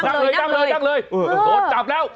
นั่งเลยนั่งเลยโหจับแล้ว